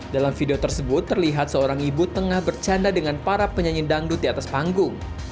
dalam video tersebut terlihat seorang ibu tengah bercanda dengan para penyanyi dangdut di atas panggung